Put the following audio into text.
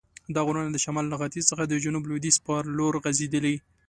دا غرونه د شمال له ختیځ څخه د جنوب لویدیځ په لور غزیدلي.